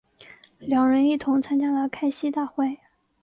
两人一同参加了开西大会。